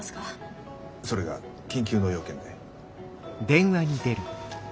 それが緊急の要件で。